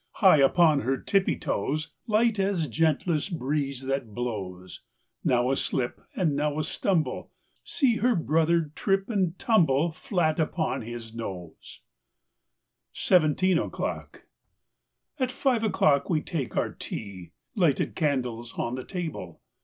High upon her tippy toes, Light as gentlest breeze that blows. Now a slip and now a stumble— See her brother trip and tumble Elat upon his nose! 41 SIXTEEN O'CLOCK 43 SEVENTEEN O'CLOCK 4T five o'clock we take our tea; xX Lighted candles on the table.